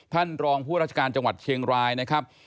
ท่านรองผู้ราชการจังหวัดเชียงรายนะครับ